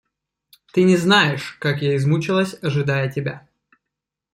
Ты не знаешь, как я измучалась, ожидая тебя!